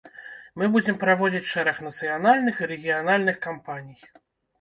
Мы будзем праводзіць шэраг нацыянальных і рэгіянальных кампаній.